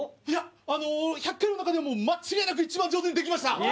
いや１００回の中でも間違いなく一番上手にできました！